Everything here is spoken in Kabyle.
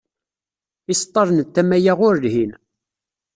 Iseḍḍalen n tama-a ur lhin.